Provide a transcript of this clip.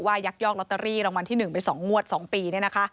ยักยอกลอตเตอรี่รางวัลที่๑ไป๒งวด๒ปี